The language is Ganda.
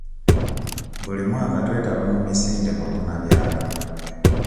Buli mwaka twetaba mu misinde mubunabyalo.